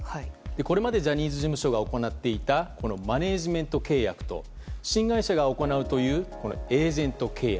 これまでジャニーズ事務所が行っていたマネジメント契約と新会社が行うというエージェント契約。